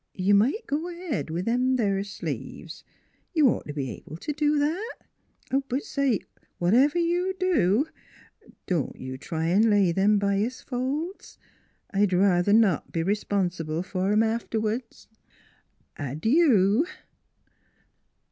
You might go ahead with them sleeves. You'd ought t' be able to do that. But, say ! Whatever you do, don't you try t' lay them bias folds. I'd ruther not be r'sponsi ble fer 'em afterwards. Add you